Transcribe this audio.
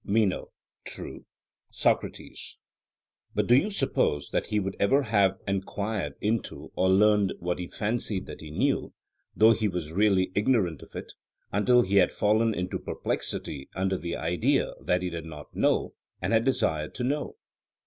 MENO: True. SOCRATES: But do you suppose that he would ever have enquired into or learned what he fancied that he knew, though he was really ignorant of it, until he had fallen into perplexity under the idea that he did not know, and had desired to know?